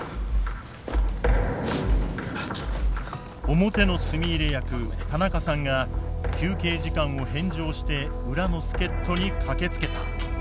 表の炭入れ役田中さんが休憩時間を返上して裏の助っ人に駆けつけた。